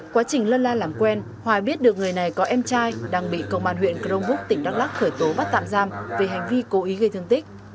quá trình lân la làm quen hoài biết được người này có em trai đang bị công an huyện crongbuk tỉnh đắk lắc khởi tố bắt tạm giam về hành vi cố ý gây thương tích